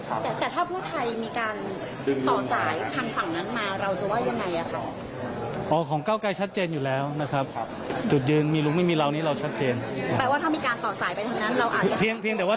แต่ถ้าท่าผู้ไทยจะมีการต่อสายทางฝั่งนั่นมาเราจะว่ายังไงอ่ะครับ